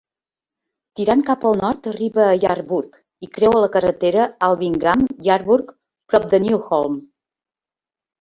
Tirant cap al nord arriba a Yarburgh i creua la carretera Alvingham-Yarburgh prop de Newholme.